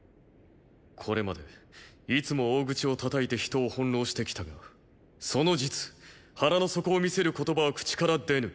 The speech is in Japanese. これまでいつも大口を叩いて人を翻弄してきたがその実腹の底を見せる言葉は口から出ぬ。